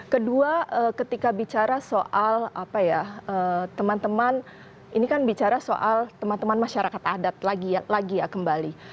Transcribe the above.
kedua ketika bicara soal apa ya teman teman ini kan bicara soal teman teman masyarakat adat lagi ya kembali